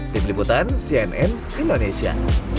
tim liputan cnn indonesia